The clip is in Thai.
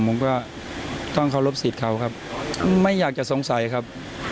ผมก็ต้องเคารพสิทธิ์เขาครับไม่อยากจะสงสัยครับ